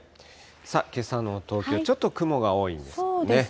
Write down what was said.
けさの東京、ちょっと雲が多いんですね。